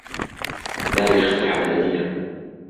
ناوی خدر حەمەدەمینە